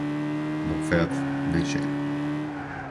Não fede, nem cheira